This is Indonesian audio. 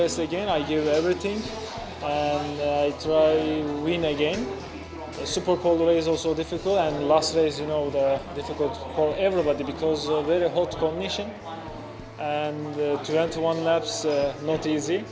dan kita akan lihat